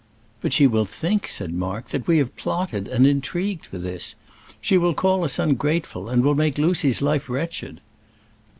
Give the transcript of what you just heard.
"But she will think," said Mark, "that we have plotted and intrigued for this. She will call us ungrateful, and will make Lucy's life wretched."